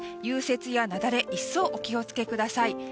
融雪や雪崩一層お気をつけください。